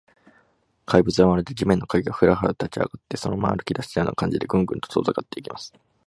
怪物は、まるで地面の影が、フラフラと立ちあがって、そのまま歩きだしたような感じで、グングンと遠ざかっていきます。